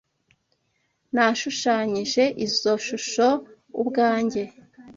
Nashushanyije izoi shusho ubwanjye.